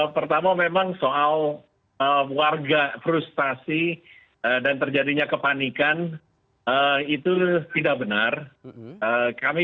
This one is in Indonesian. pertama memang soal warga frustasi dan terjadinya kepanikan itu tidak benar kami